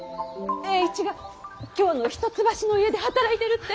栄一が京の一橋のお家で働いてるって？